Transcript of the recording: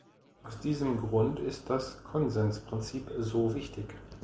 Aus diesem Grund ist das Konsensprinzip so wichtig.